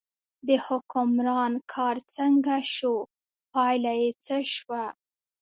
د حکمران کار څنګه شو، پایله یې څه شوه.